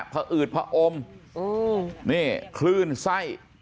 พะอืดพะอมคลื่นไส้